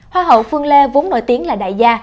hoa hậu phương lê vốn nổi tiếng là đại gia